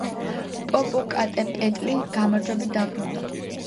პოპოკატეპეტლი გამარჯვებით დაბრუნდა.